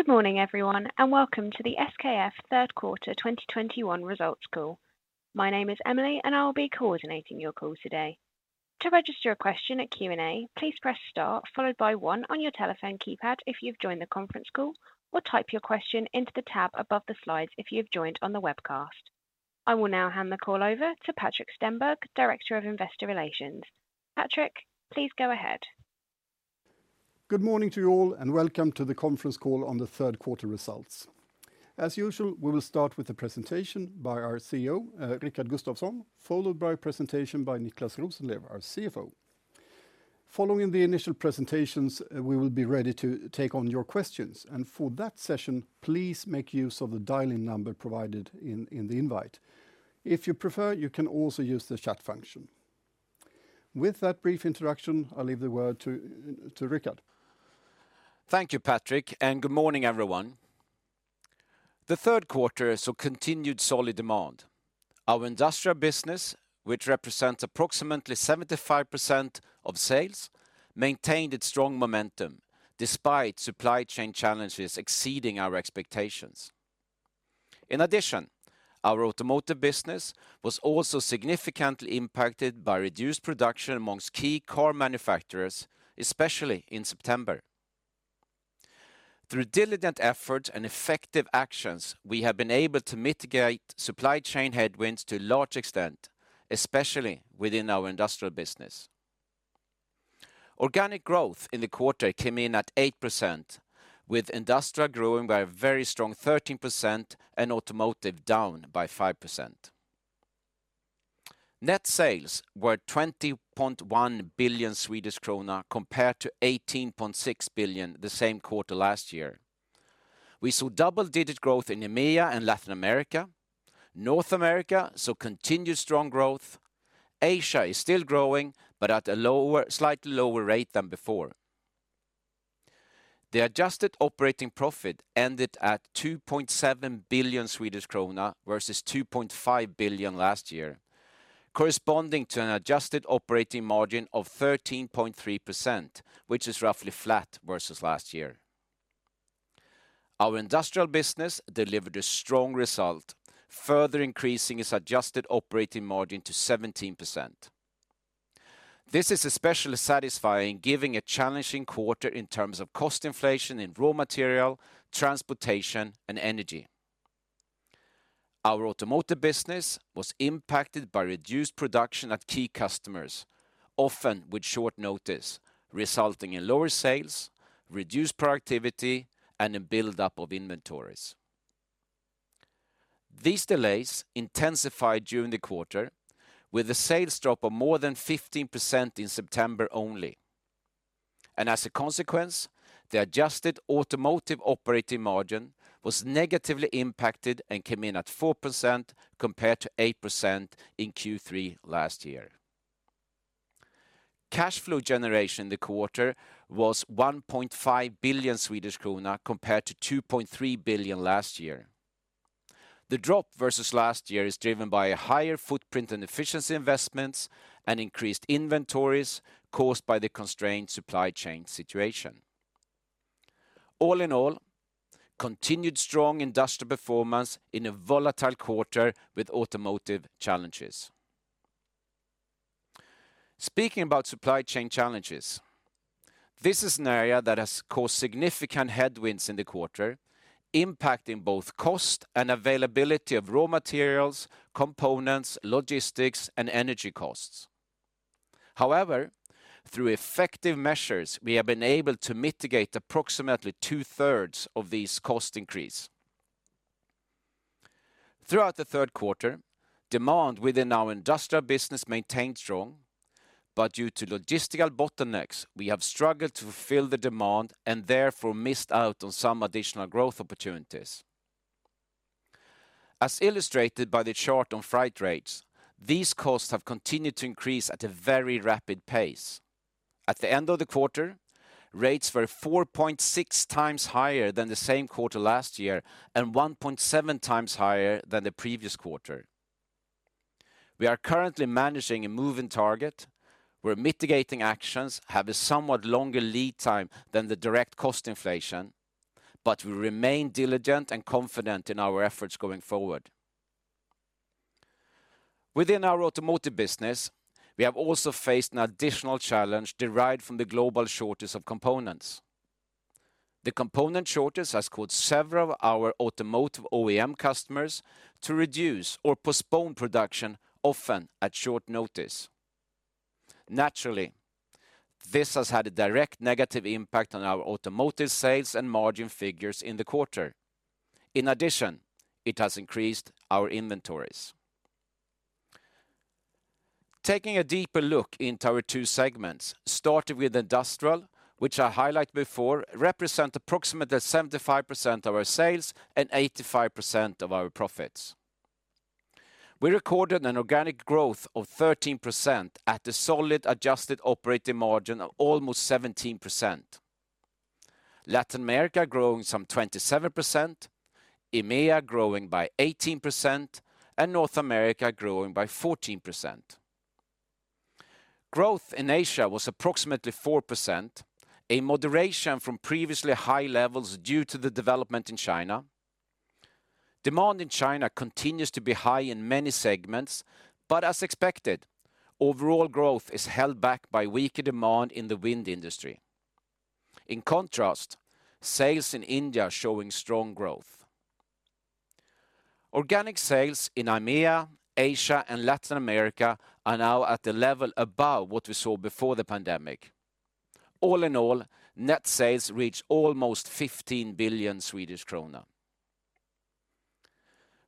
Good morning, everyone, and welcome to the SKF Third Quarter 2021 Results Call. My name is Emily, and I will be coordinating your call today. To register a question at Q&A, please press star followed by one on your telephone keypad if you've joined the conference call or type your question into the tab above the slides if you have joined on the webcast. I will now hand the call over to Patrik Stenberg, Director of Investor Relations. Patrik, please go ahead. Good morning to you all and welcome to the conference call on the third quarter results. As usual, we will start with a presentation by our CEO, Rickard Gustafson, followed by a presentation by Niclas Rosenlew, our CFO. Following the initial presentations, we will be ready to take on your questions. For that session, please make use of the dial-in number provided in the invite. If you prefer, you can also use the chat function. With that brief introduction, I'll leave the word to Rickard. Thank you, Patrik, and good morning, everyone. The third quarter saw continued solid demand. Our industrial business, which represents approximately 75% of sales, maintained its strong momentum despite supply chain challenges exceeding our expectations. In addition, our automotive business was also significantly impacted by reduced production amongst key car manufacturers, especially in September. Through diligent efforts and effective actions, we have been able to mitigate supply chain headwinds to a large extent, especially within our industrial business. Organic growth in the quarter came in at 8%, with industrial growing by a very strong 13% and automotive down by 5%. Net sales were 20.1 billion Swedish krona compared to 18.6 billion the same quarter last year. We saw double-digit growth in EMEA and Latin America. North America saw continued strong growth. Asia is still growing, but at a lower, slightly lower rate than before. The adjusted operating profit ended at 2.7 billion Swedish krona versus 2.5 billion last year, corresponding to an adjusted operating margin of 13.3%, which is roughly flat versus last year. Our industrial business delivered a strong result, further increasing its adjusted operating margin to 17%. This is especially satisfying given a challenging quarter in terms of cost inflation in raw material, transportation, and energy. Our automotive business was impacted by reduced production at key customers, often with short notice, resulting in lower sales, reduced productivity, and a buildup of inventories. These delays intensified during the quarter with a sales drop of more than 15% in September only. As a consequence, the adjusted automotive operating margin was negatively impacted and came in at 4% compared to 8% in Q3 last year. Cash flow generation in the quarter was 1.5 billion Swedish krona compared to 2.3 billion last year. The drop versus last year is driven by a higher footprint and efficiency investments and increased inventories caused by the constrained supply chain situation. All in all, continued strong industrial performance in a volatile quarter with automotive challenges. Speaking about supply chain challenges, this is an area that has caused significant headwinds in the quarter, impacting both cost and availability of raw materials, components, logistics, and energy costs. However, through effective measures, we have been able to mitigate approximately 2/3 of these cost increase. Throughout the third quarter, demand within our industrial business maintained strong, but due to logistical bottlenecks, we have struggled to fill the demand and therefore missed out on some additional growth opportunities. As illustrated by the chart on freight rates, these costs have continued to increase at a very rapid pace. At the end of the quarter, rates were 4.6x higher than the same quarter last year and 1.7x higher than the previous quarter. We are currently managing a moving target where mitigating actions have a somewhat longer lead time than the direct cost inflation, but we remain diligent and confident in our efforts going forward. Within our automotive business, we have also faced an additional challenge derived from the global shortage of components. The component shortage has caused several of our automotive OEM customers to reduce or postpone production, often at short notice. Naturally, this has had a direct negative impact on our automotive sales and margin figures in the quarter. In addition, it has increased our inventories. Taking a deeper look into our two segments, starting with Industrial, which I highlighted before, represent approximately 75% of our sales and 85% of our profits. We recorded an organic growth of 13% at a solid adjusted operating margin of almost 17%. Latin America growing some 27%, EMEA growing by 18%, and North America growing by 14%. Growth in Asia was approximately 4%, a moderation from previously high levels due to the development in China. Demand in China continues to be high in many segments, but as expected, overall growth is held back by weaker demand in the wind industry. In contrast, sales in India are showing strong growth. Organic sales in EMEA, Asia, and Latin America are now at the level above what we saw before the pandemic. All in all, net sales reached almost 15 billion Swedish krona.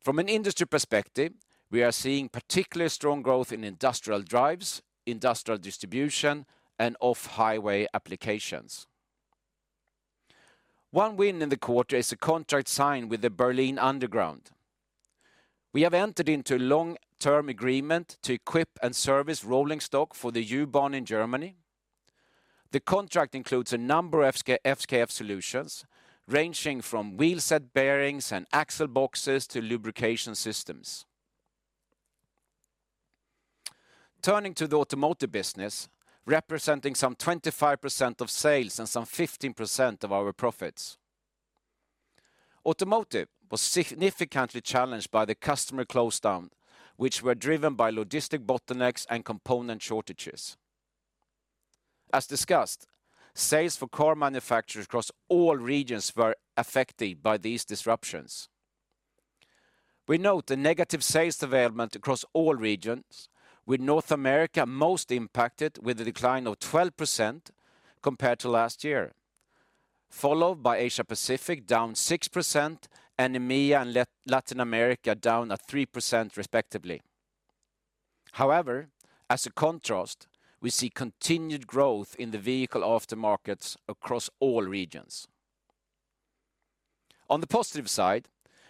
From an industry perspective, we are seeing particularly strong growth in industrial drives, industrial distribution, and off-highway applications. One win in the quarter is a contract signed with the Berlin Underground. We have entered into a long-term agreement to equip and service rolling stock for the U-Bahn in Germany. The contract includes a number of SKF solutions, ranging from wheel set bearings and axleboxes to lubrication systems. Turning to the automotive business, representing some 25% of sales and some 15% of our profits, automotive was significantly challenged by the customer closedowns, which were driven by logistics bottlenecks and component shortages. As discussed, sales for car manufacturers across all regions were affected by these disruptions. We note the negative sales development across all regions, with North America most impacted with a decline of 12% compared to last year, followed by Asia-Pacific, down 6%, and EMEA and Latin America down at 3% respectively. However, as a contrast, we see continued growth in the vehicle aftermarkets across all regions. On the positive side,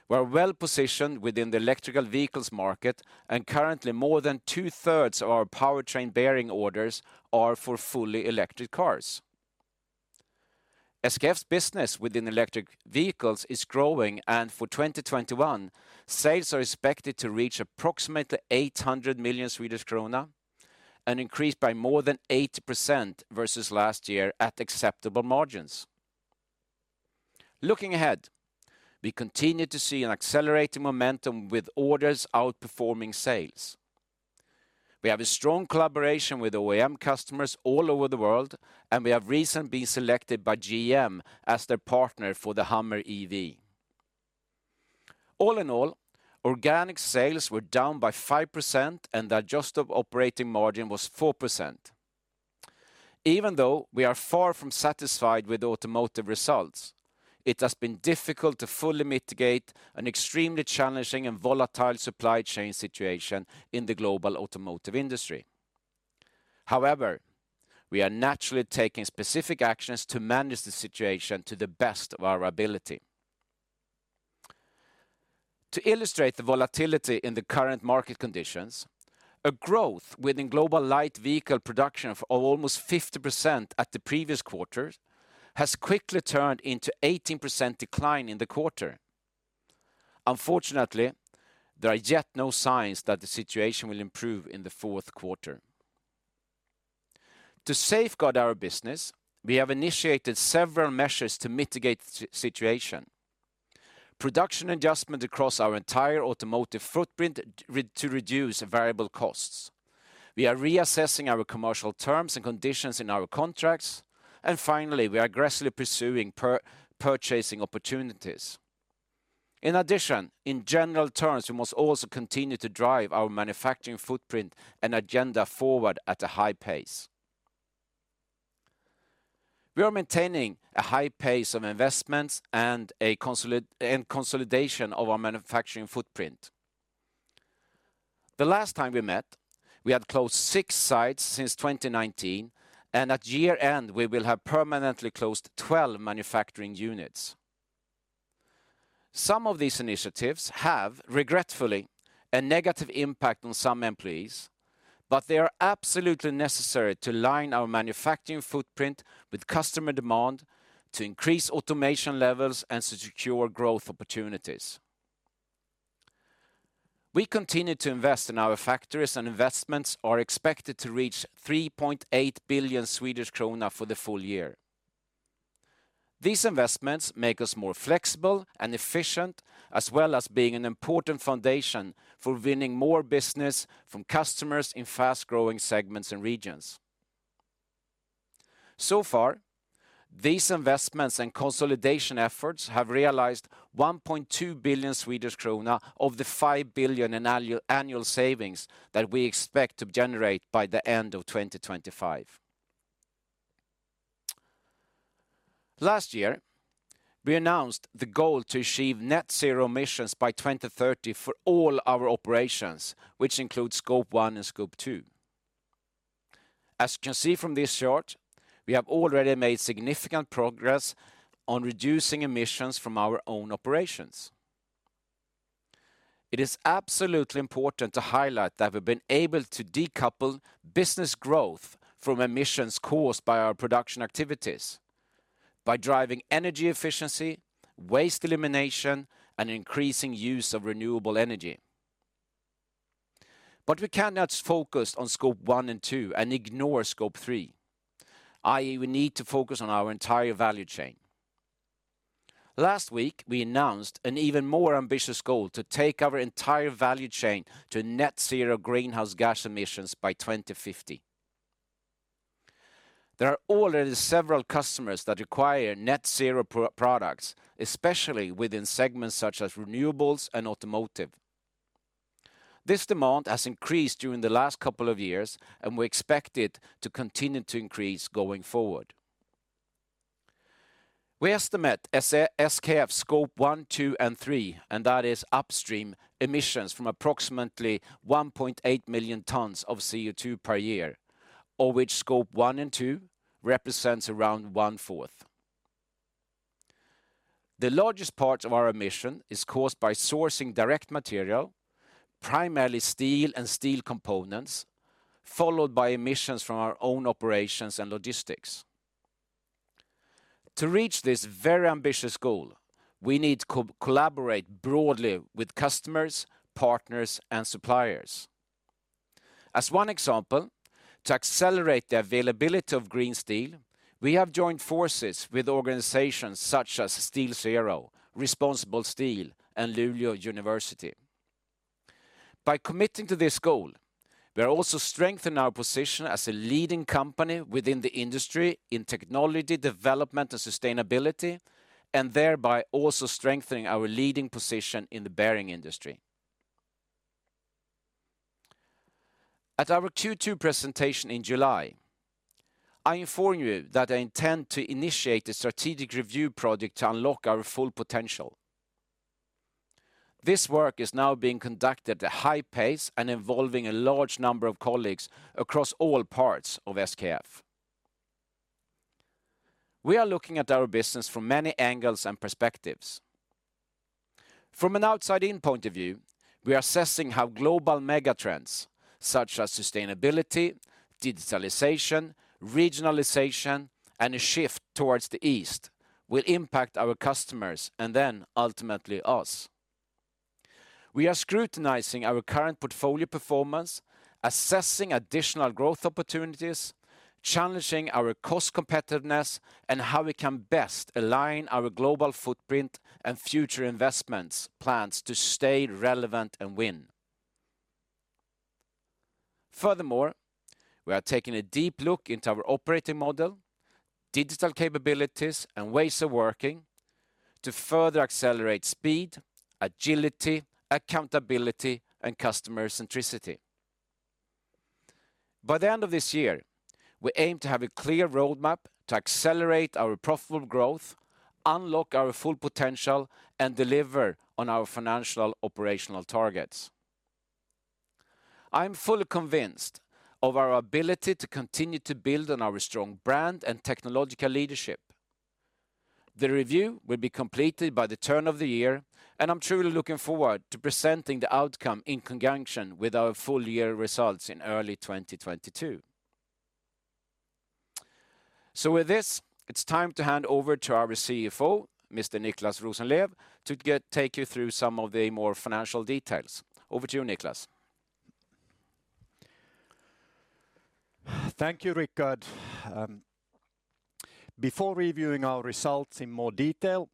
we are well-positioned within the electric vehicles market, and currently more than 2/3 of our powertrain bearing orders are for fully electric cars. SKF's business within electric vehicles is growing, and for 2021, sales are expected to reach approximately 800 million Swedish krona, an increase by more than 8% versus last year at acceptable margins. Looking ahead, we continue to see an accelerated momentum with orders outperforming sales. We have a strong collaboration with OEM customers all over the world, and we have recently been selected by GM as their partner for the Hummer EV. All in all, organic sales were down by 5%, and the adjusted operating margin was 4%. Even though we are far from satisfied with automotive results, it has been difficult to fully mitigate an extremely challenging and volatile supply chain situation in the global automotive industry. However, we are naturally taking specific actions to manage the situation to the best of our ability. To illustrate the volatility in the current market conditions, a growth within global light vehicle production of almost 50% at the previous quarter has quickly turned into 18% decline in the quarter. Unfortunately, there are yet no signs that the situation will improve in the fourth quarter. To safeguard our business, we have initiated several measures to mitigate situation. Production adjustment across our entire automotive footprint to reduce variable costs. We are reassessing our commercial terms and conditions in our contracts, and finally, we are aggressively pursuing purchasing opportunities. In addition, in general terms, we must also continue to drive our manufacturing footprint and agenda forward at a high pace. We are maintaining a high pace of investments and a consolidation of our manufacturing footprint. The last time we met, we had closed six sites since 2019, and at year-end, we will have permanently closed 12 manufacturing units. Some of these initiatives have, regretfully, a negative impact on some employees, but they are absolutely necessary to align our manufacturing footprint with customer demand to increase automation levels and secure growth opportunities. We continue to invest in our factories, and investments are expected to reach 3.8 billion Swedish krona for the full year. These investments make us more flexible and efficient, as well as being an important foundation for winning more business from customers in fast-growing segments and regions. So far, these investments and consolidation efforts have realized 1.2 billion Swedish krona of the 5 billion in annual savings that we expect to generate by the end of 2025. Last year, we announced the goal to achieve net zero emissions by 2030 for all our operations, which include Scope 1 and Scope 2. As you can see from this chart, we have already made significant progress on reducing emissions from our own operations. It is absolutely important to highlight that we've been able to decouple business growth from emissions caused by our production activities. By driving energy efficiency, waste elimination, and increasing use of renewable energy. We cannot focus on Scope 1 and Scope 2 and ignore Scope 3, i.e. we need to focus on our entire value chain. Last week, we announced an even more ambitious goal to take our entire value chain to net zero greenhouse gas emissions by 2050. There are already several customers that require net zero products, especially within segments such as renewables and automotive. This demand has increased during the last couple of years, and we expect it to continue to increase going forward. We estimate SKF Scope 1, Scope 2, and Scope 3, and that is upstream emissions from approximately 1.8 million tons of CO2 per year, of which Scope 1 and Scope 2 represents around 1/4. The largest part of our emission is caused by sourcing direct material, primarily steel and steel components, followed by emissions from our own operations and logistics. To reach this very ambitious goal, we need to collaborate broadly with customers, partners, and suppliers. As one example, to accelerate the availability of green steel, we have joined forces with organizations such as SteelZero, ResponsibleSteel, and Luleå University. By committing to this goal, we are also strengthening our position as a leading company within the industry in technology development and sustainability, and thereby also strengthening our leading position in the bearing industry. At our Q2 presentation in July, I informed you that I intend to initiate a strategic review project to unlock our full potential. This work is now being conducted at high pace and involving a large number of colleagues across all parts of SKF. We are looking at our business from many angles and perspectives. From an outside-in point of view, we are assessing how global mega trends such as sustainability, digitalization, regionalization, and a shift towards the East will impact our customers and then ultimately us. We are scrutinizing our current portfolio performance, assessing additional growth opportunities, challenging our cost competitiveness, and how we can best align our global footprint and future investments plans to stay relevant and win. Furthermore, we are taking a deep look into our operating model, digital capabilities, and ways of working to further accelerate speed, agility, accountability, and customer centricity. By the end of this year, we aim to have a clear roadmap to accelerate our profitable growth, unlock our full potential, and deliver on our financial operational targets. I am fully convinced of our ability to continue to build on our strong brand and technological leadership. The review will be completed by the turn of the year, and I'm truly looking forward to presenting the outcome in conjunction with our full year results in early 2022. With this, it's time to hand over to our CFO, Mr. Niclas Rosenlew, to take you through some of the more financial details. Over to you, Niclas. Thank you, Rickard. Before reviewing our results in more detail,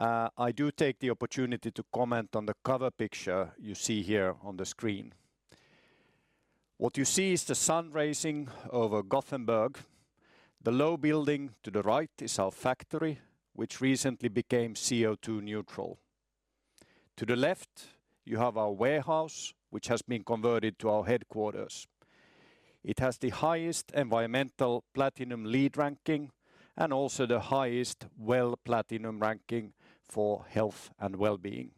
I do take the opportunity to comment on the cover picture you see here on the screen. What you see is the sun rising over Gothenburg. The low building to the right is our factory, which recently became CO2 neutral. To the left, you have our warehouse, which has been converted to our headquarters. It has the highest Environmental Platinum LEED Ranking and also the highest WELL Platinum Ranking for Health and Well-Being.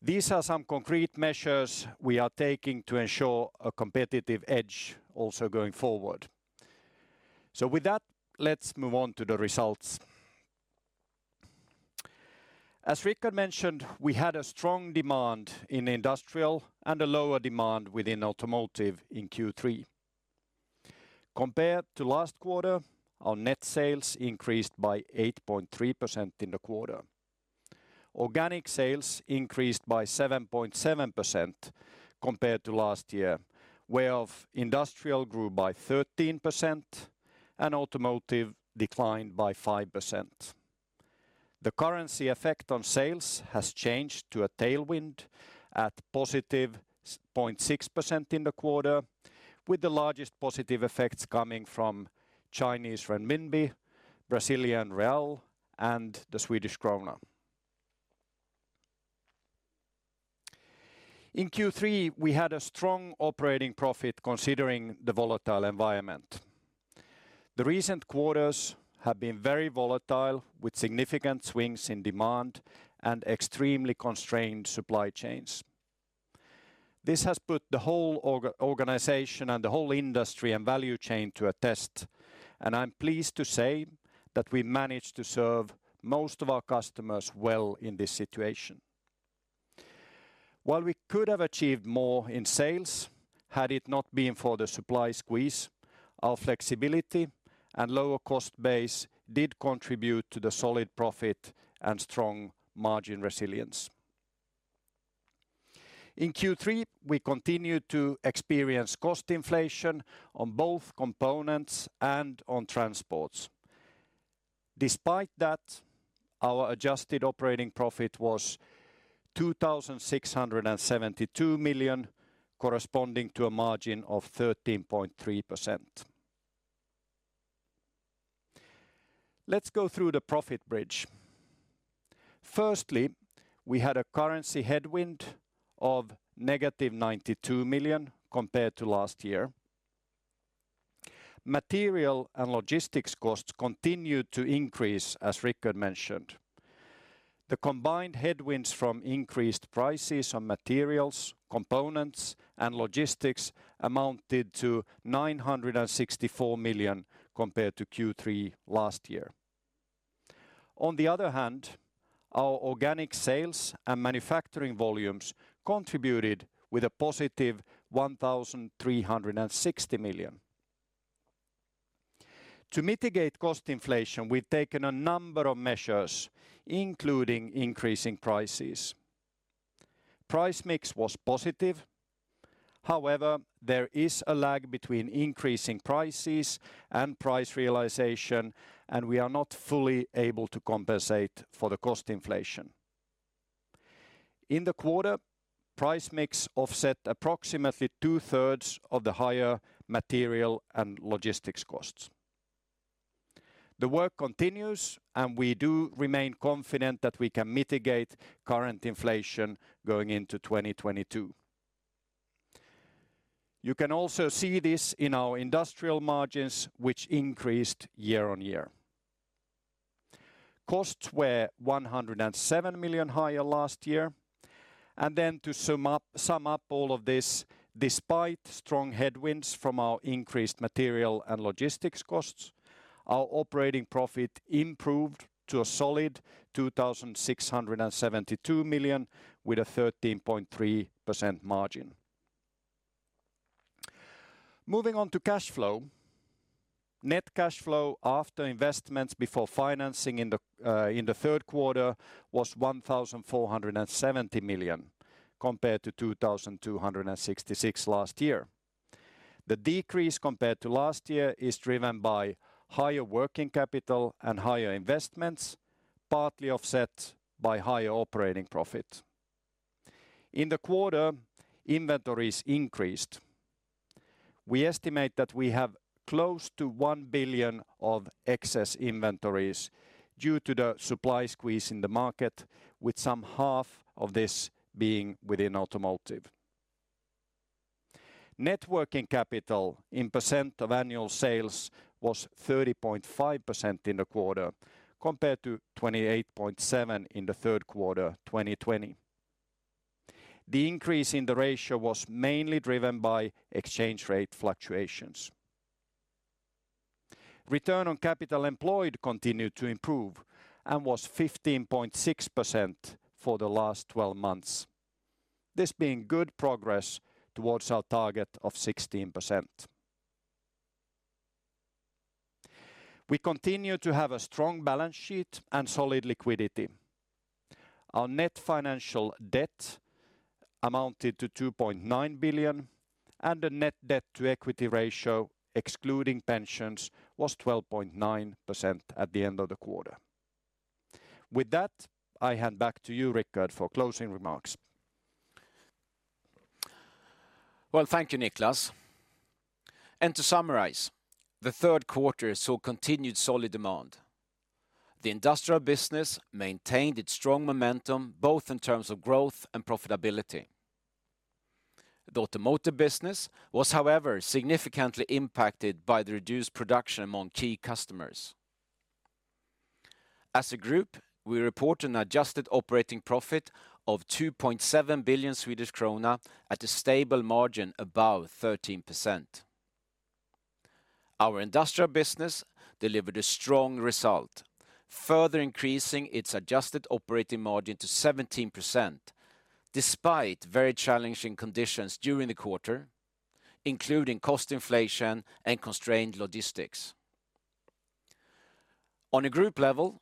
These are some concrete measures we are taking to ensure a competitive edge also going forward. With that, let's move on to the results. As Rickard mentioned, we had a strong demand in industrial and a lower demand within automotive in Q3. Compared to last quarter, our net sales increased by 8.3% in the quarter. Organic sales increased by 7.7% compared to last year, where industrial grew by 13% and automotive declined by 5%. The currency effect on sales has changed to a tailwind at positive 6.6% in the quarter, with the largest positive effects coming from Chinese renminbi, Brazilian real, and the Swedish krona. In Q3, we had a strong operating profit considering the volatile environment. The recent quarters have been very volatile, with significant swings in demand and extremely constrained supply chains. This has put the whole organization and the whole industry and value chain to a test, and I'm pleased to say that we managed to serve most of our customers well in this situation. While we could have achieved more in sales had it not been for the supply squeeze, our flexibility and lower cost base did contribute to the solid profit and strong margin resilience. In Q3, we continued to experience cost inflation on both components and on transports. Despite that, our adjusted operating profit was 2,672 million, corresponding to a margin of 13.3%. Let's go through the profit bridge. Firstly, we had a currency headwind of -92 million compared to last year. Material and logistics costs continued to increase, as Rickard mentioned. The combined headwinds from increased prices on materials, components, and logistics amounted to 964 million compared to Q3 last year. Our organic sales and manufacturing volumes contributed with a positive 1,360 million. To mitigate cost inflation, we've taken a number of measures, including increasing prices. Price mix was positive. However, there is a lag between increasing prices and price realization, and we are not fully able to compensate for the cost inflation. In the quarter, price mix offset approximately two-thirds of the higher material and logistics costs. The work continues, and we do remain confident that we can mitigate current inflation going into 2022. You can also see this in our industrial margins, which increased year-on-year. Costs were 107 million higher last year. To sum up all of this, despite strong headwinds from our increased material and logistics costs, our operating profit improved to a solid 2,672 million with a 13.3% margin. Moving on to cash flow. Net cash flow after investments before financing in the third quarter was 1,470 million compared to 2,266 last year. The decrease compared to last year is driven by higher working capital and higher investments, partly offset by higher operating profit. In the quarter, inventories increased. We estimate that we have close to 1 billion of excess inventories due to the supply squeeze in the market, with some half of this being within automotive. Net working capital in percent of annual sales was 30.5% in the quarter, compared to 28.7% in the third quarter, 2020. The increase in the ratio was mainly driven by exchange rate fluctuations. Return on capital employed continued to improve and was 15.6% for the last 12 months, this being good progress towards our target of 16%. We continue to have a strong balance sheet and solid liquidity. Our net financial debt amounted to 2.9 billion, and the net debt to equity ratio, excluding pensions, was 12.9% at the end of the quarter. With that, I hand back to you, Rickard, for closing remarks. Well, thank you, Niclas. To summarize, the third quarter saw continued solid demand. The industrial business maintained its strong momentum, both in terms of growth and profitability. The automotive business was, however, significantly impacted by the reduced production among key customers. As a group, we report an adjusted operating profit of 2.7 billion Swedish krona at a stable margin above 13%. Our industrial business delivered a strong result, further increasing its adjusted operating margin to 17%, despite very challenging conditions during the quarter, including cost inflation and constrained logistics. On a group level,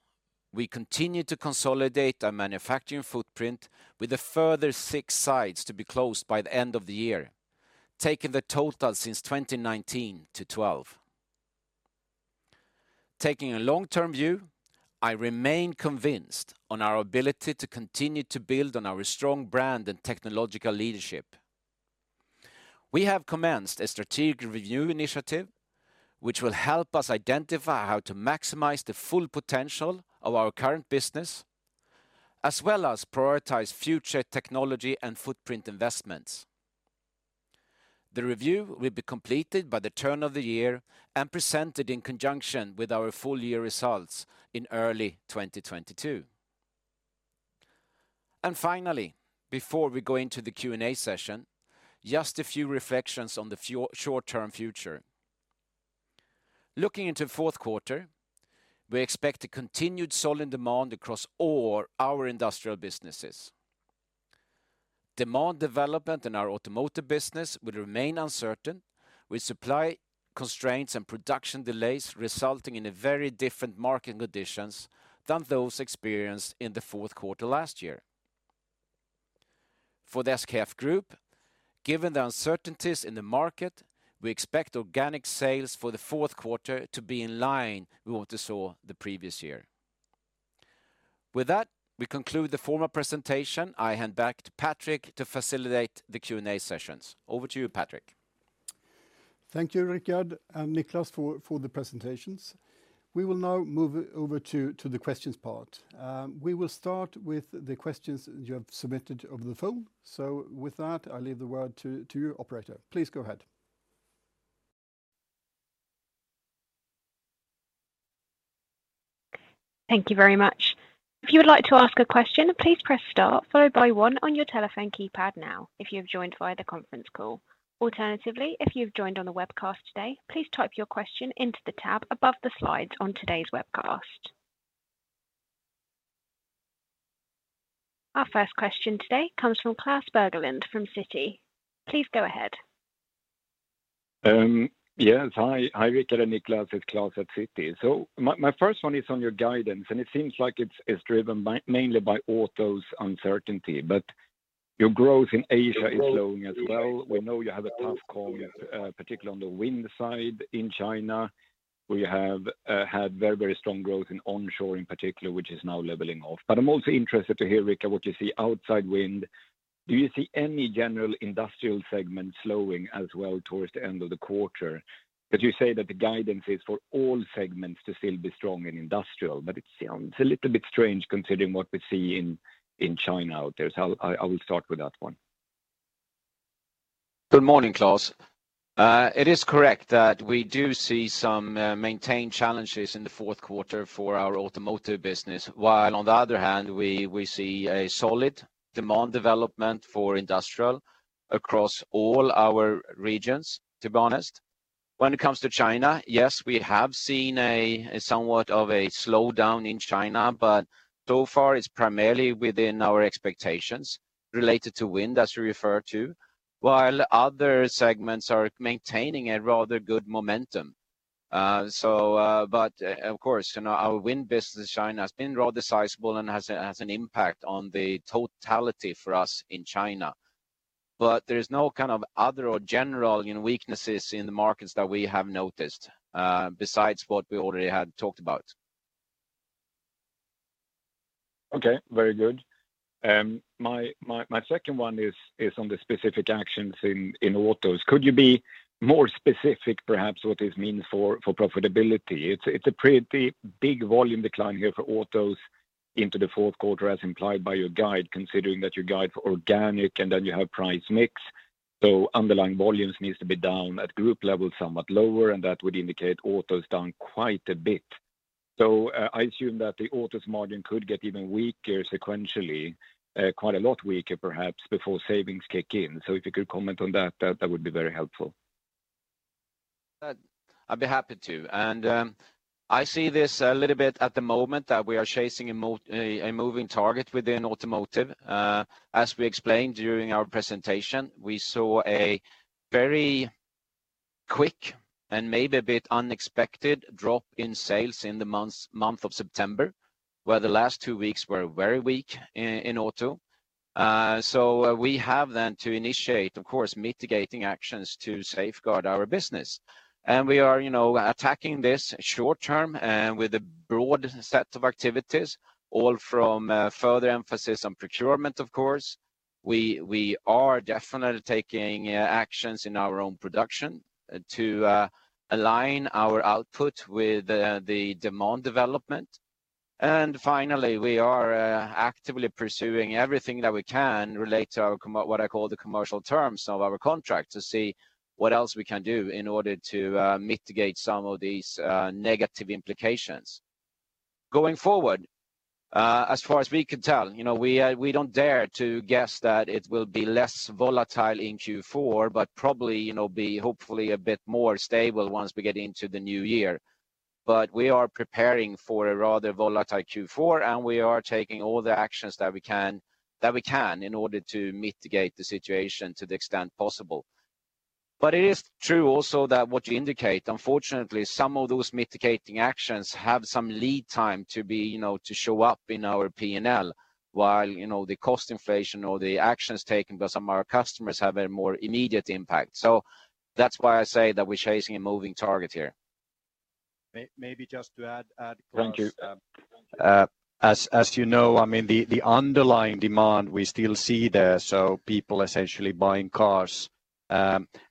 we continued to consolidate our manufacturing footprint with a further six sites to be closed by the end of the year, taking the total since 2019 to 12. Taking a long-term view, I remain convinced on our ability to continue to build on our strong brand and technological leadership. We have commenced a strategic review initiative which will help us identify how to maximize the full potential of our current business, as well as prioritize future technology and footprint investments. The review will be completed by the turn of the year and presented in conjunction with our full year results in early 2022. Finally, before we go into the Q&A session, just a few reflections on the short-term future. Looking into fourth quarter, we expect a continued solid demand across all our industrial businesses. Demand development in our automotive business will remain uncertain, with supply constraints and production delays resulting in a very different market conditions than those experienced in the fourth quarter last year. For the SKF group, given the uncertainties in the market, we expect organic sales for the fourth quarter to be in line with what we saw the previous year. With that, we conclude the formal presentation. I hand back to Patrik to facilitate the Q&A sessions. Over to you, Patrik. Thank you, Rickard and Niclas for the presentations. We will now move over to the questions part. We will start with the questions you have submitted over the phone. With that, I leave the word to you, operator. Please go ahead. Thank you very much. If you would like to ask a question, please press star followed by one on your telephone keypad now if you have joined via the conference call. Alternatively, if you've joined on the webcast today, please type your question into the tab above the slides on today's webcast. Our first question today comes from Klas Berglund from Citi. Please go ahead. Yes. Hi. Hi, Rickard and Niclas. It's Klas at Citi. My first one is on your guidance, and it seems like it's driven mainly by autos uncertainty, but your growth in Asia is slowing as well. We know you have a tough call, particularly on the wind side in China, where you have had very strong growth in onshore in particular, which is now leveling off. I'm also interested to hear, Rickard, what you see outside wind. Do you see any general industrial segment slowing as well towards the end of the quarter? You say that the guidance is for all segments to still be strong in industrial, but it sounds a little bit strange considering what we see in China out there. I will start with that one. Good morning, Klas. It is correct that we do see some maintained challenges in the fourth quarter for our automotive business, while on the other hand, we see a solid demand development for industrial across all our regions, to be honest. When it comes to China, yes, we have seen somewhat of a slowdown in China, but so far it's primarily within our expectations related to wind, as you refer to, while other segments are maintaining a rather good momentum. Of course, you know, our wind business in China has been rather sizable and has an impact on the totality for us in China. There is no kind of other or general, you know, weaknesses in the markets that we have noticed, besides what we already had talked about. Okay, very good. My second one is on the specific actions in autos. Could you be more specific perhaps what this means for profitability? It's a pretty big volume decline here for autos into the fourth quarter as implied by your guide, considering that your guide for organic and then you have price mix. Underlying volumes needs to be down at group level somewhat lower, and that would indicate autos down quite a bit. I assume that the autos margin could get even weaker sequentially, quite a lot weaker perhaps before savings kick in. If you could comment on that would be very helpful. I'd be happy to. I see this a little bit at the moment that we are chasing a moving target within automotive. As we explained during our presentation, we saw a very quick and maybe a bit unexpected drop in sales in the month of September, where the last two weeks were very weak in auto. We have then to initiate, of course, mitigating actions to safeguard our business. We are, you know, attacking this short term and with a broad set of activities, all from further emphasis on procurement, of course. We are definitely taking actions in our own production to align our output with the demand development. Finally, we are actively pursuing everything that we can relate to our commercial terms of our contract to see what else we can do in order to mitigate some of these negative implications. Going forward, as far as we can tell, you know, we don't dare to guess that it will be less volatile in Q4, but probably, you know, be hopefully a bit more stable once we get into the new year. We are preparing for a rather volatile Q4, and we are taking all the actions that we can in order to mitigate the situation to the extent possible. It is true also that what you indicate, unfortunately, some of those mitigating actions have some lead time to be, you know, to show up in our P&L while, you know, the cost inflation or the actions taken by some of our customers have a more immediate impact. That's why I say that we're chasing a moving target here. Maybe just to add, Klas Thank you. As you know, I mean, the underlying demand we still see there, so people essentially buying cars.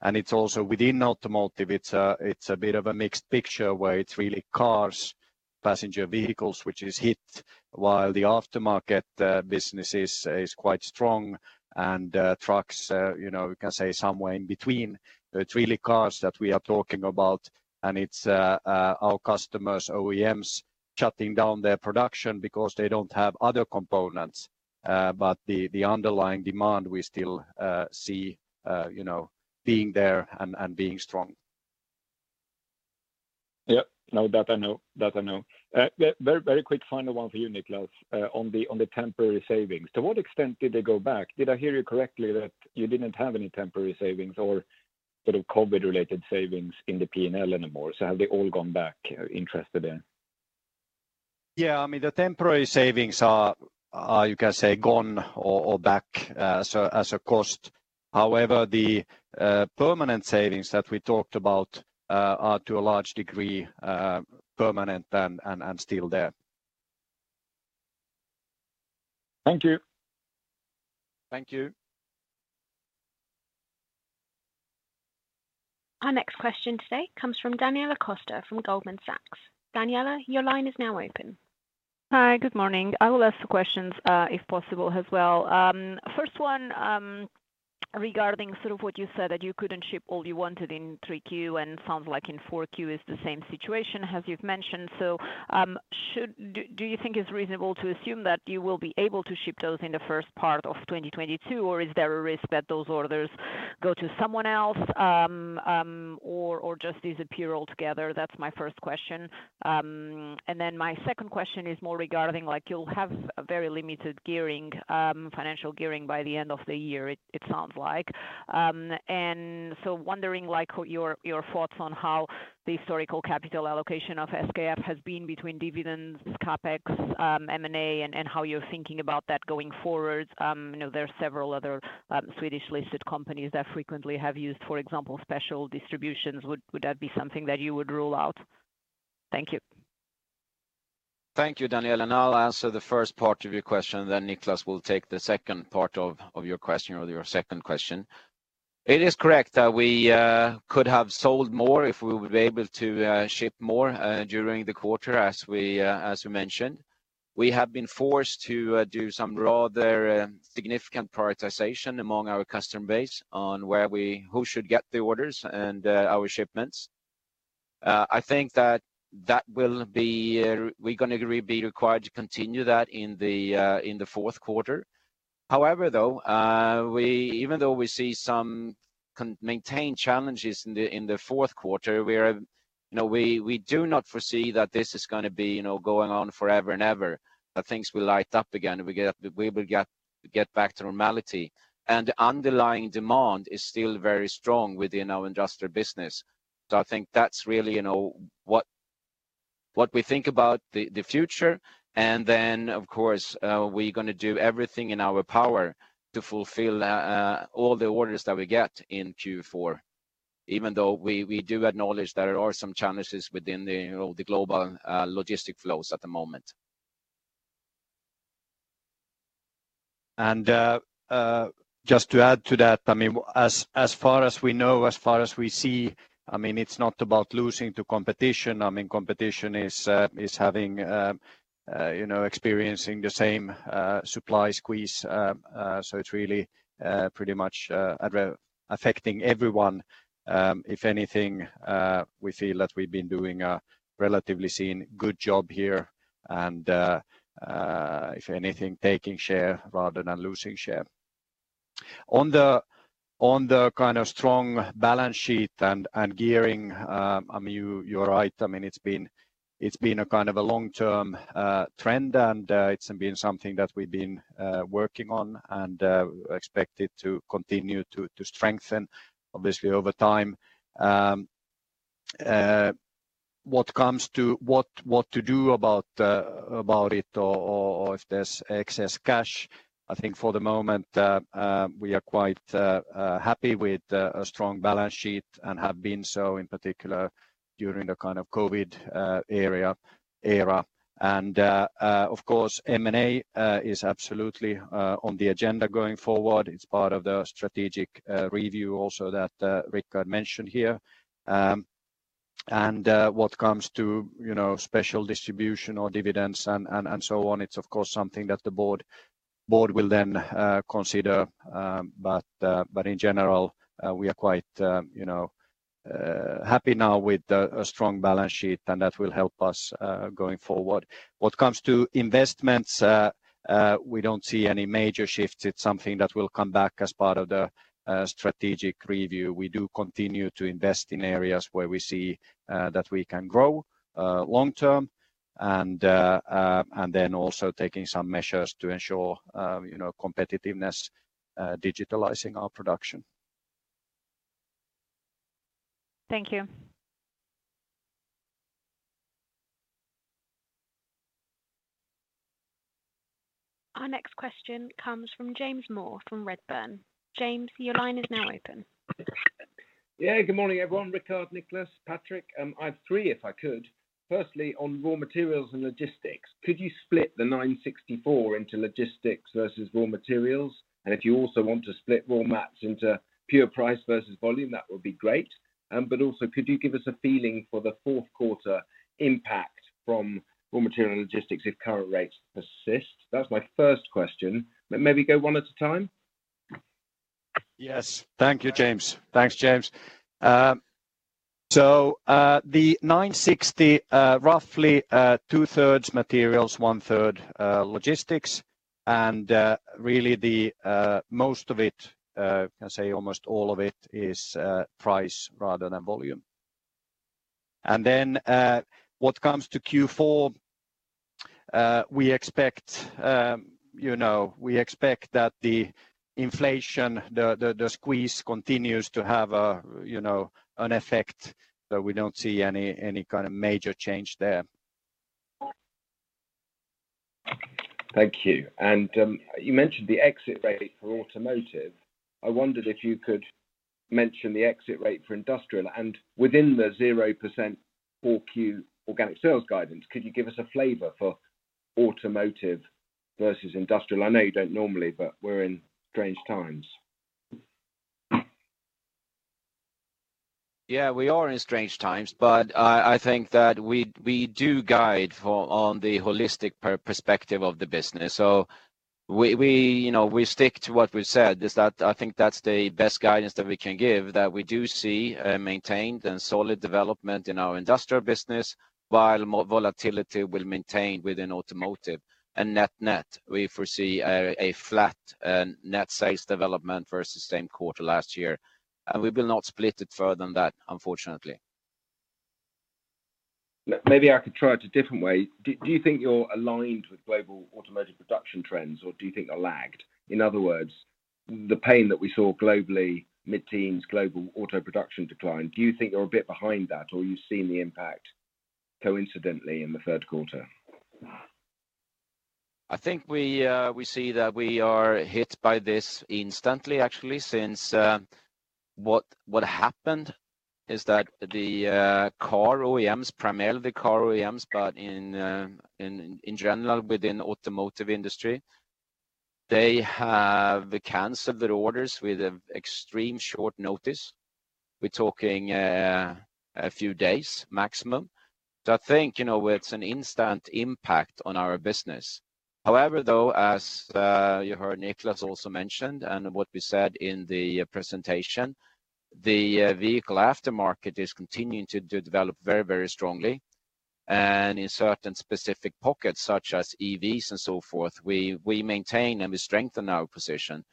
It's also within automotive, it's a bit of a mixed picture where it's really cars, passenger vehicles, which is hit while the aftermarket business is quite strong. Trucks, you know, we can say somewhere in between. It's really cars that we are talking about, and it's our customers, OEMs shutting down their production because they don't have other components. The underlying demand, we still see, you know, being there and being strong. Yeah. No, that I know. Yeah, very, very quick final one for you, Niclas, on the temporary savings. To what extent did they go back? Did I hear you correctly that you didn't have any temporary savings or sort of COVID-related savings in the P&L anymore? Have they all gone back, interested in? Yeah. I mean, the temporary savings are, you can say, gone or back, so as a cost. However, the permanent savings that we talked about are to a large degree permanent and still there. Thank you. Thank you. Our next question today comes from Daniela Costa from Goldman Sachs. Daniela, your line is now open. Hi. Good morning. I will ask the questions, if possible as well. First one, regarding sort of what you said that you couldn't ship all you wanted in Q3, and sounds like in Q4 is the same situation as you've mentioned. Do you think it's reasonable to assume that you will be able to ship those in the first part of 2022, or is there a risk that those orders go to someone else, or just disappear altogether? That's my first question. And then my second question is more regarding, like, you'll have a very limited gearing, financial gearing by the end of the year, it sounds like. Wondering, like, your thoughts on how the historical capital allocation of SKF has been between dividends, CapEx, M&A, and how you're thinking about that going forward. You know, there are several other Swedish-listed companies that frequently have used, for example, special distributions. Would that be something that you would rule out? Thank you. Thank you, Daniela. I'll answer the first part of your question, then Niclas will take the second part of your question or your second question. It is correct that we could have sold more if we would be able to ship more during the quarter as we mentioned. We have been forced to do some rather significant prioritization among our customer base on who should get the orders and our shipments. I think that will be. We're gonna be required to continue that in the fourth quarter. However, though, we... Even though we see some continuing challenges in the fourth quarter, we do not foresee that this is gonna be going on forever and ever, that things will light up again, and we will get back to normality. Underlying demand is still very strong within our industrial business. I think that's really what we think about the future. Of course, we're gonna do everything in our power to fulfill all the orders that we get in Q4, even though we do acknowledge there are some challenges within the global logistics flows at the moment. Just to add to that, I mean, as far as we know, as far as we see, I mean, it's not about losing to competition. I mean, competition is having, you know, experiencing the same supply squeeze. It's really pretty much adversely affecting everyone. If anything, we feel that we've been doing a relatively good job here, and if anything, taking share rather than losing share. On the kind of strong balance sheet and gearing, I mean, you're right. I mean, it's been a kind of long-term trend, and it's been something that we've been working on and expect it to continue to strengthen obviously over time. What comes to what to do about it or if there's excess cash, I think for the moment, we are quite happy with the strong balance sheet and have been so in particular during the kind of COVID era. Of course, M&A is absolutely on the agenda going forward. It's part of the strategic review also that Rick had mentioned here. What comes to, you know, special distribution or dividends and so on, it's of course something that the board will then consider. In general, we are quite, you know, happy now with the strong balance sheet, and that will help us going forward. When it comes to investments, we don't see any major shifts. It's something that will come back as part of the strategic review. We do continue to invest in areas where we see that we can grow long term and then also taking some measures to ensure you know competitiveness, digitalizing our production. Thank you. Our next question comes from James Moore from Redburn. James, your line is now open. Yeah, good morning, everyone, Rickard, Niclas, Patrik. I have three, if I could. Firstly, on raw materials and logistics, could you split the 964 into logistics versus raw materials? And if you also want to split raw mats into pure price versus volume, that would be great. Also, could you give us a feeling for the fourth quarter impact from raw material and logistics if current rates persist? That's my first question. Maybe go one at a time. Yes. Thank you, James. Thanks, James. The 960, roughly, 2/3 materials, 1/3 logistics, and really the most of it, let's say almost all of it is price rather than volume. When it comes to Q4, we expect, you know, that the inflation, the squeeze continues to have, you know, an effect, but we don't see any kind of major change there. Thank you. You mentioned the exit rate for automotive. I wondered if you could mention the exit rate for industrial and within the 0% all Q organic sales guidance, could you give us a flavor for automotive versus industrial? I know you don't normally, but we're in strange times. Yeah. We are in strange times, but I think that we do guide on the holistic perspective of the business. You know, we stick to what we've said. I think that's the best guidance that we can give, that we do see maintained and solid development in our Industrial business, while more volatility will maintain within Automotive. Net/net, we foresee a flat net sales development versus same quarter last year. We will not split it further than that, unfortunately. Maybe I could try it a different way. Do you think you're aligned with global automotive production trends, or do you think they're lagged? In other words, the pain that we saw globally, mid-teens global auto production decline, do you think you're a bit behind that or you've seen the impact coincidentally in the third quarter? I think we see that we are hit by this instantly, actually, since what happened is that the car OEMs, primarily car OEMs, but in general within automotive industry, they have canceled their orders with extreme short notice. We're talking a few days maximum. I think, you know, it's an instant impact on our business. However, though, as you heard Niclas also mentioned and what we said in the presentation, the vehicle aftermarket is continuing to develop very, very strongly. In certain specific pockets, such as EVs and so forth, we maintain and we strengthen our position.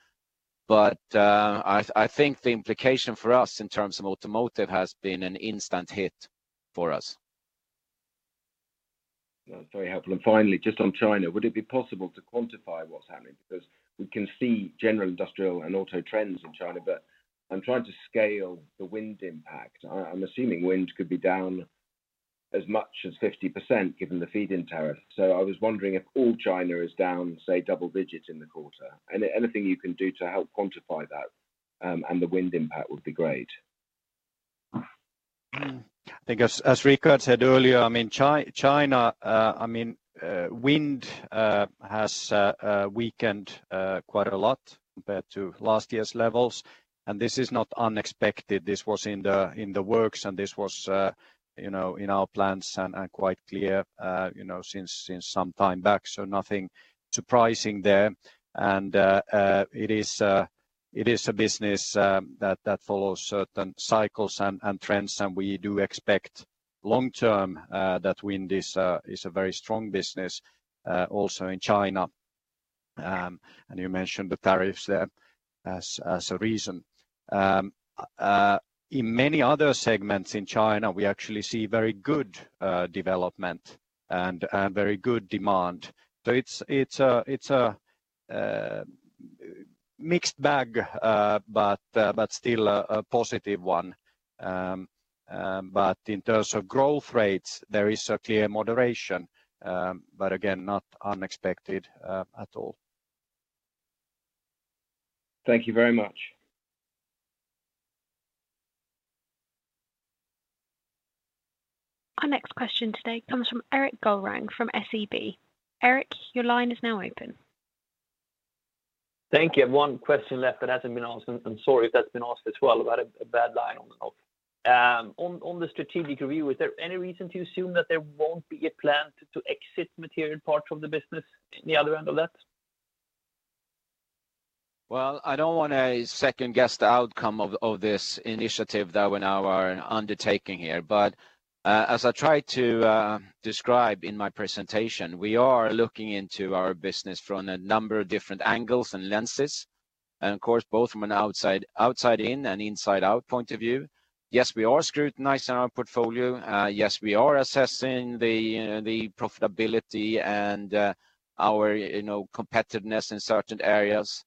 I think the implication for us in terms of automotive has been an instant hit for us. That's very helpful. Finally, just on China, would it be possible to quantify what's happening? Because we can see general industrial and auto trends in China, but I'm trying to scale the wind impact. I'm assuming wind could be down as much as 50% given the feed-in tariff. I was wondering if all China is down, say, double digits in the quarter. Anything you can do to help quantify that, and the wind impact would be great. I think, as Rickard said earlier, I mean, wind has weakened quite a lot compared to last year's levels, and this is not unexpected. This was in the works, and this was, you know, in our plans and quite clear, you know, since some time back, so nothing surprising there. It is a business that follows certain cycles and trends, and we do expect long-term that wind is a very strong business also in China. You mentioned the tariffs there as a reason. In many other segments in China, we actually see very good development and very good demand. It's a mixed bag, but still a positive one. In terms of growth rates, there is a clear moderation, but again, not unexpected at all. Thank you very much. Our next question today comes from Erik Golrang from SEB. Erik, your line is now open. Thank you. One question left that hasn't been asked, and I'm sorry if that's been asked as well. I've had a bad line on and off. On the strategic review, is there any reason to assume that there won't be a plan to exit material parts from the business in the other end of that? Well, I don't want to second-guess the outcome of this initiative that we now are undertaking here. As I tried to describe in my presentation, we are looking into our business from a number of different angles and lenses, and of course, both from an outside in and inside out point of view. Yes, we are scrutinizing our portfolio. Yes, we are assessing the profitability and our, you know, competitiveness in certain areas.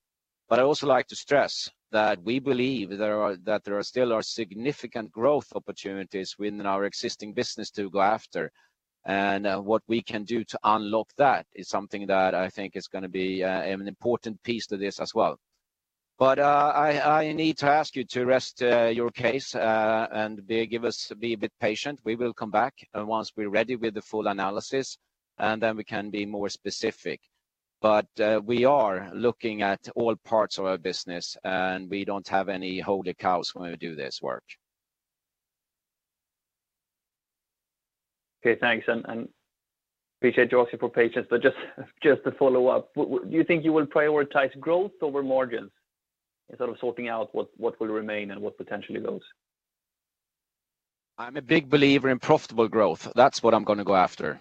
I also like to stress that we believe there are still significant growth opportunities within our existing business to go after. What we can do to unlock that is something that I think is gonna be an important piece to this as well. I need to ask you to rest your case and give us. Be a bit patient. We will come back once we're ready with the full analysis, and then we can be more specific. We are looking at all parts of our business, and we don't have any holy cows when we do this work. Okay, thanks. Appreciate your patience. To follow up, would you think you will prioritize growth over margins instead of sorting out what will remain and what potentially goes? I'm a big believer in profitable growth. That's what I'm gonna go after.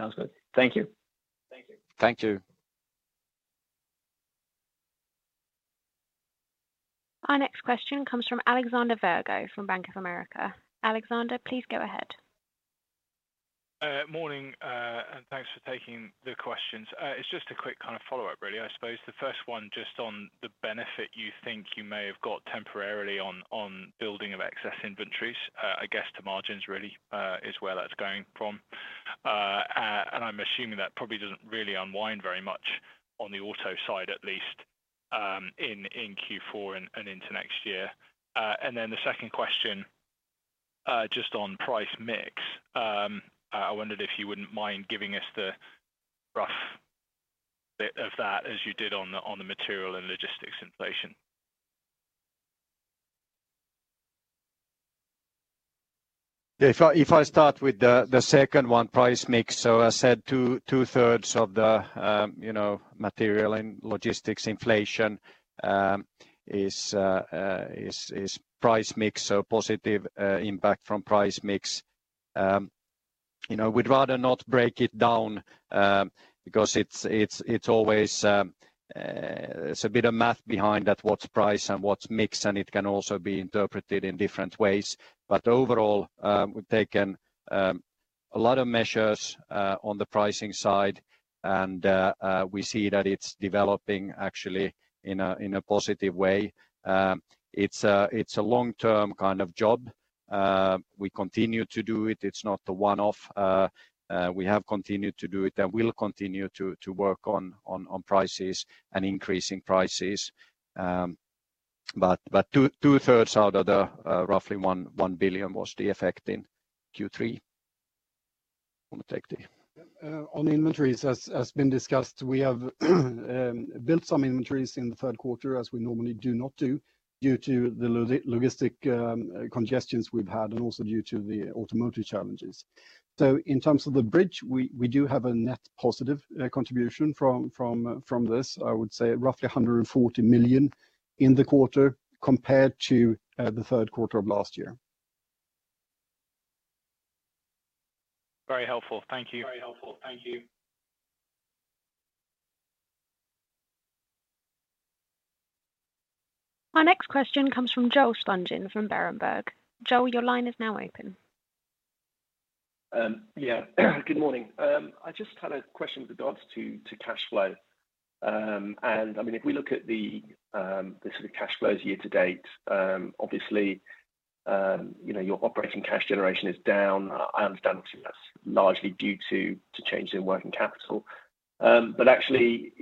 Sounds good. Thank you. Thank you. Thank you. Our next question comes from Alexander Virgo from Bank of America. Alexander, please go ahead. Morning, thanks for taking the questions. It's just a quick kind of follow-up, really. I suppose the first one just on the benefit you think you may have got temporarily on building of excess inventories, I guess to margins really, is where that's going from. Then the second question, just on price mix. I wondered if you wouldn't mind giving us the rough bit of that as you did on the material and logistics inflation. If I start with the second one, price mix. I said two thirds of the you know material and logistics inflation is price mix. Positive impact from price mix. You know, we'd rather not break it down because it's always a bit of math behind that what's price and what's mix, and it can also be interpreted in different ways. Overall, we've taken a lot of measures on the pricing side, and we see that it's developing actually in a positive way. It's a long-term kind of job. We continue to do it. It's not a one-off. We have continued to do it and will continue to work on prices and increasing prices. Two thirds out of the roughly 1 billion was the effect in Q3. Wanna take the On inventories, as has been discussed, we have built some inventories in the third quarter as we normally do not do due to the logistics congestion we've had and also due to the automotive challenges. In terms of the bridge, we do have a net positive contribution from this. I would say roughly 140 million in the quarter compared to the third quarter of last year. Very helpful. Thank you. Our next question comes from Joel Spungin from Berenberg. Joel, your line is now open. Yeah. Good morning. I just had a question with regards to cash flow. I mean, if we look at the sort of cash flows year to date, obviously, you know, your operating cash generation is down. I understand that's largely due to change in working capital. But actually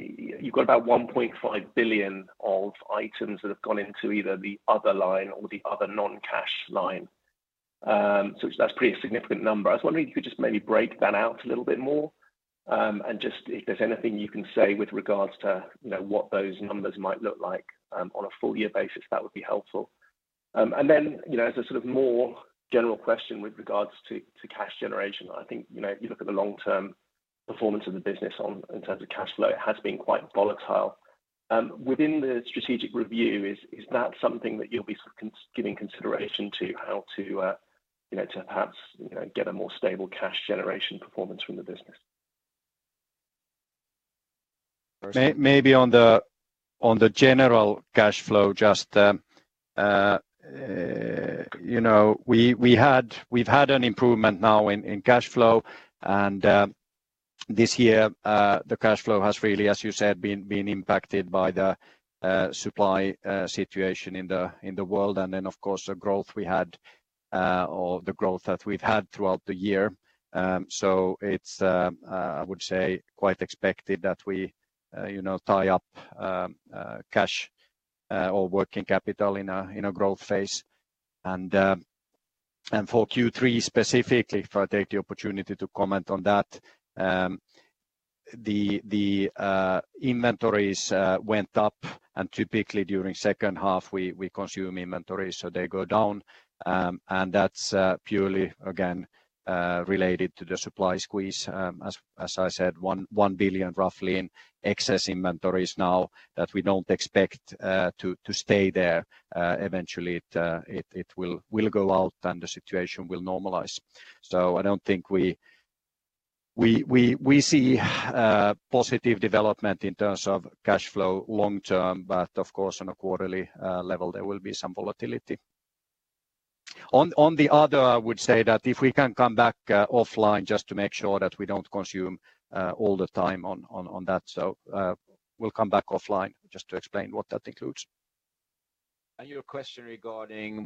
you've got about 1.5 billion of items that have gone into either the other line or the other non-cash line. So that's pretty significant number. I was wondering if you could just maybe break that out a little bit more, and just if there's anything you can say with regards to, you know, what those numbers might look like, on a full year basis, that would be helpful. You know, as a sort of more general question with regards to cash generation, I think, you know, you look at the long term performance of the business in terms of cash flow, it has been quite volatile. Within the strategic review, is that something that you'll be giving consideration to how to, you know, to perhaps, you know, get a more stable cash generation performance from the business? Maybe on the general cash flow, just, you know, we've had an improvement now in cash flow. This year, the cash flow has really, as you said, been impacted by the supply situation in the world. Of course, the growth we had, or the growth that we've had throughout the year. It's quite expected that we, you know, tie up cash or working capital in a growth phase. For Q3 specifically, if I take the opportunity to comment on that, the inventories went up and typically during second half we consume inventories, so they go down. That's purely again related to the supply squeeze. As I said, 1 billion roughly in excess inventories now that we don't expect to stay there. Eventually it will go out and the situation will normalize. I don't think we see positive development in terms of cash flow long term, but of course, on a quarterly level there will be some volatility. On the other, I would say that if we can come back offline just to make sure that we don't consume all the time on that. We'll come back offline just to explain what that includes. Your question regarding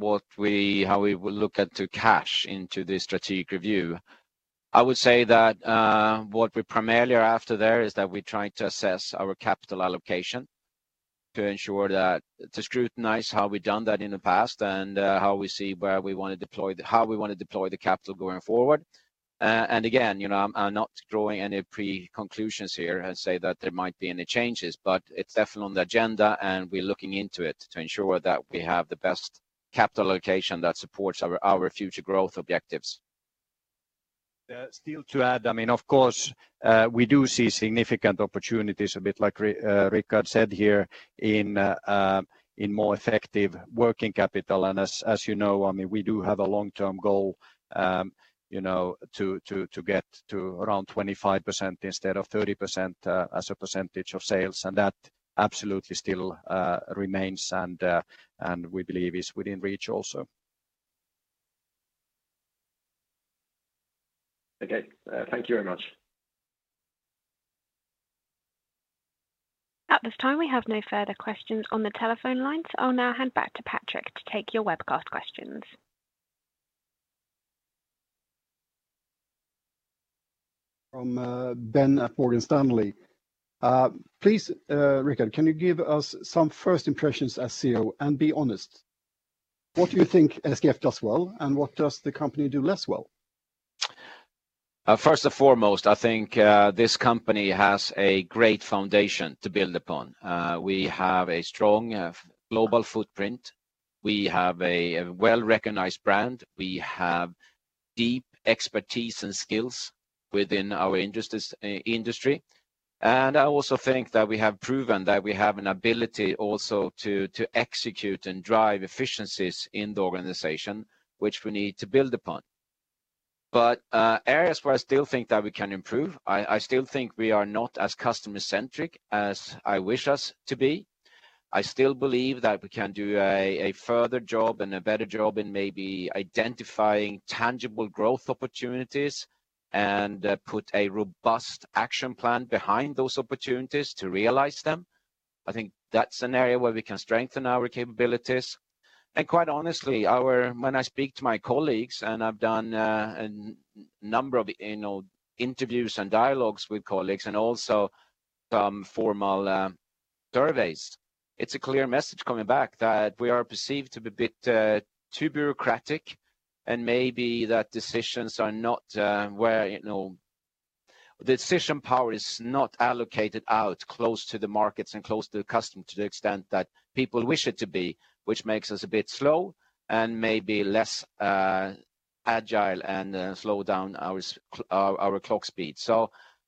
how we will look at the cash in the strategic review. I would say that what we primarily are after there is that we're trying to assess our capital allocation to scrutinize how we've done that in the past and how we wanna deploy the capital going forward. Again, you know, I'm not drawing any pre-conclusions here and say that there might be any changes, but it's definitely on the agenda, and we're looking into it to ensure that we have the best capital allocation that supports our future growth objectives. Still to add, I mean, of course, we do see significant opportunities, a bit like Rickard said here, in more effective working capital. As you know, I mean, we do have a long-term goal, you know, to get to around 25% instead of 30%, as a percentage of sales. That absolutely still remains and we believe is within reach also. Okay. Thank you very much. At this time, we have no further questions on the telephone lines. I'll now hand back to Patrik to take your webcast questions. From Ben at Morgan Stanley. Please, Rickard, can you give us some first impressions as CEO, and be honest? What do you think SKF does well, and what does the company do less well? First and foremost, I think this company has a great foundation to build upon. We have a strong global footprint. We have a well-recognized brand. We have deep expertise and skills within our industry. I also think that we have proven that we have an ability also to execute and drive efficiencies in the organization, which we need to build upon. Areas where I still think that we can improve, I still think we are not as customer-centric as I wish us to be. I still believe that we can do a further job and a better job in maybe identifying tangible growth opportunities and put a robust action plan behind those opportunities to realize them. I think that's an area where we can strengthen our capabilities. Quite honestly, our When I speak to my colleagues, and I've done a number of, you know, interviews and dialogues with colleagues and also some formal surveys, it's a clear message coming back that we are perceived to be a bit too bureaucratic and maybe that decisions are not where, you know, decision power is not allocated out close to the markets and close to the customer to the extent that people wish it to be, which makes us a bit slow and maybe less agile and slow down our clock speed.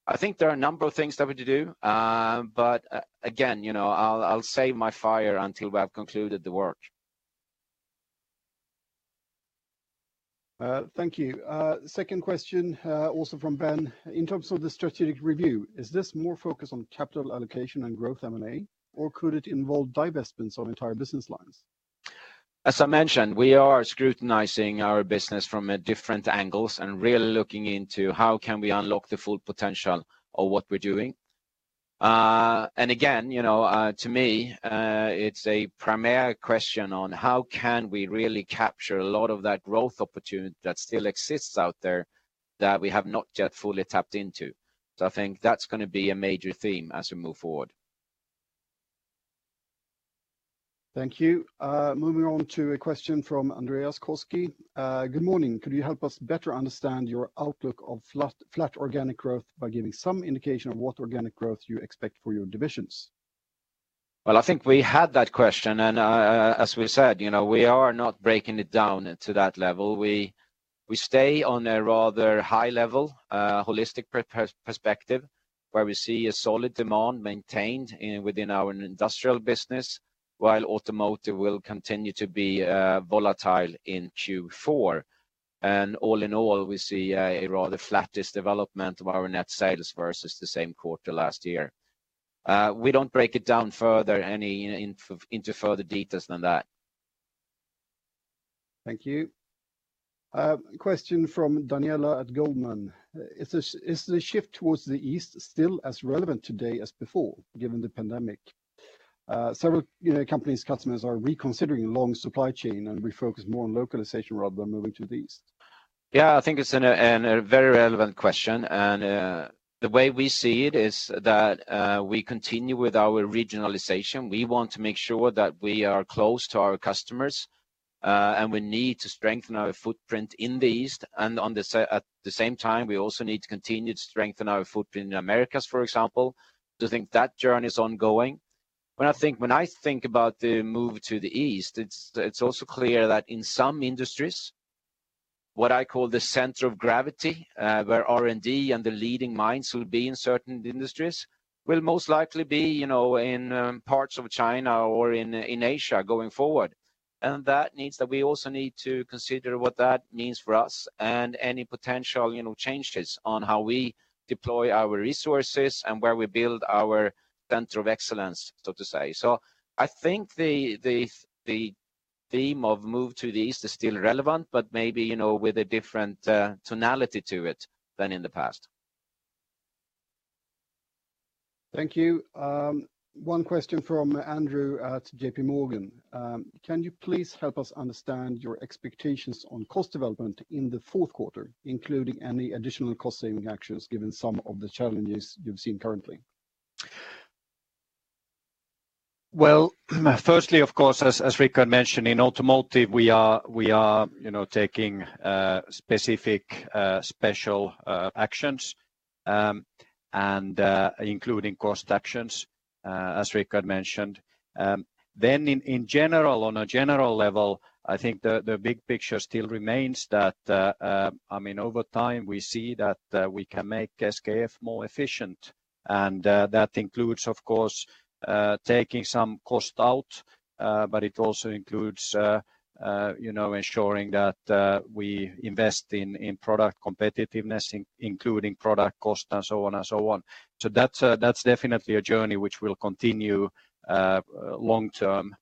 I think there are a number of things that we need to do. Again, you know, I'll save my fire until we have concluded the work. Thank you. Second question, also from Ben. In terms of the strategic review, is this more focused on capital allocation and growth M&A, or could it involve divestments of entire business lines? As I mentioned, we are scrutinizing our business from different angles and really looking into how can we unlock the full potential of what we're doing. Again, you know, to me, it's a premier question on how can we really capture a lot of that growth opportunity that still exists out there that we have not yet fully tapped into. I think that's gonna be a major theme as we move forward. Thank you. Moving on to a question from Andreas Koski. Good morning. Could you help us better understand your outlook of flat organic growth by giving some indication of what organic growth you expect for your divisions? Well, I think we had that question, as we said, you know, we are not breaking it down to that level. We stay on a rather high level, holistic perspective, where we see a solid demand maintained within our industrial business, while automotive will continue to be volatile in Q4. All in all, we see a rather flattish development of our net sales versus the same quarter last year. We don't break it down further into further details than that. Thank you. Question from Daniela at Goldman. Is the shift towards the East still as relevant today as before, given the pandemic? Several companies' customers are reconsidering long supply chains and refocusing more on localization rather than moving to the East. Yeah, I think it's a very relevant question. The way we see it is that we continue with our regionalization. We want to make sure that we are close to our customers, and we need to strengthen our footprint in the East. At the same time, we also need to continue to strengthen our footprint in the Americas, for example. I think that journey is ongoing. When I think about the move to the East, it's also clear that in some industries, what I call the center of gravity, where R&D and the leading minds will be in certain industries, will most likely be, you know, in parts of China or in Asia going forward. That means that we also need to consider what that means for us and any potential, you know, changes on how we deploy our resources and where we build our center of excellence, so to say. I think the theme of move to the East is still relevant, but maybe, you know, with a different tonality to it than in the past. Thank you. One question from Andrew at JPMorgan. Can you please help us understand your expectations on cost development in the fourth quarter, including any additional cost-saving actions, given some of the challenges you've seen currently? Well, firstly, of course, as Rickard mentioned, in automotive, we are, you know, taking specific special actions, and including cost actions, as Rickard mentioned. In general, on a general level, I think the big picture still remains that, I mean, over time, we see that we can make SKF more efficient, and that includes, of course, taking some cost out, but it also includes, you know, ensuring that we invest in product competitiveness, including product cost, and so on and so on. That's definitely a journey which will continue long term.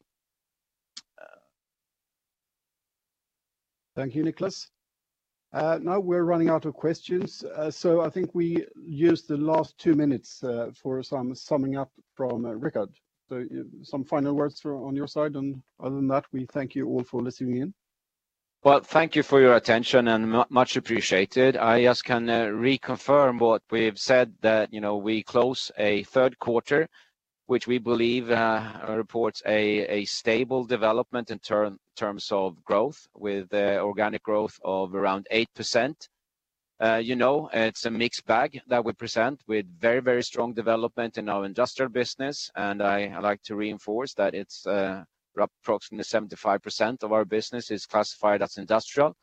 Thank you, Niclas. Now we're running out of questions, so I think we use the last two minutes for some summing up from Rickard. Some final words from your side, and other than that, we thank you all for listening in. Well, thank you for your attention and much appreciated. I just can reconfirm what we have said that, you know, we closed the third quarter, which we believe reports a stable development in terms of growth with the organic growth of around 8%. You know, it's a mixed bag that we present with very, very strong development in our industrial business, and I like to reinforce that it's approximately 75% of our business is classified as industrial,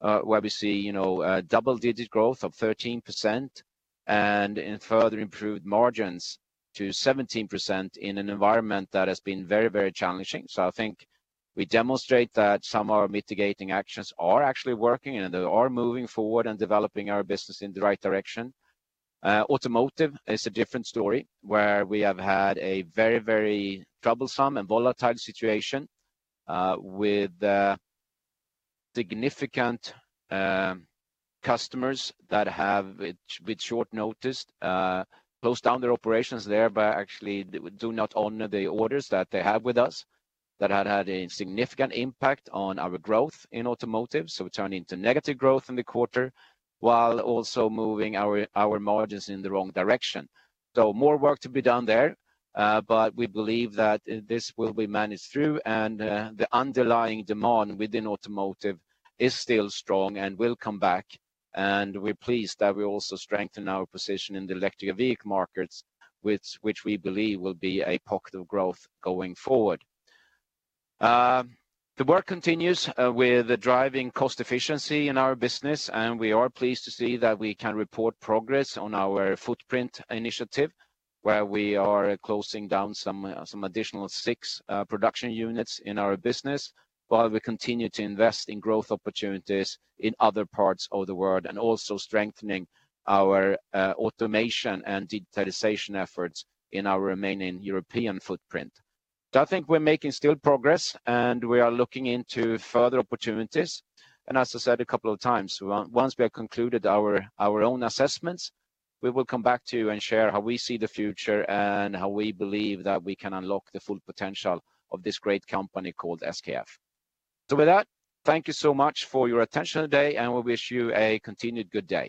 where we see, you know, double-digit growth of 13% and further improved margins to 17% in an environment that has been very, very challenging. I think we demonstrate that some of our mitigating actions are actually working, and they are moving forward and developing our business in the right direction. Automotive is a different story where we have had a very, very troublesome and volatile situation with significant customers that have, with short notice, closed down their operations thereby actually do not honor the orders that they have with us that had a significant impact on our growth in automotive. We turn into negative growth in the quarter while also moving our margins in the wrong direction. More work to be done there, but we believe that this will be managed through and the underlying demand within automotive is still strong and will come back. We're pleased that we also strengthen our position in the electric vehicle markets, which we believe will be a pocket of growth going forward. The work continues with the driving cost efficiency in our business, and we are pleased to see that we can report progress on our footprint initiative, where we are closing down some additional six production units in our business while we continue to invest in growth opportunities in other parts of the world and also strengthening our automation and digitalization efforts in our remaining European footprint. I think we're making still progress, and we are looking into further opportunities. As I said a couple of times, once we have concluded our own assessments, we will come back to you and share how we see the future and how we believe that we can unlock the full potential of this great company called SKF. With that, thank you so much for your attention today, and we wish you a continued good day.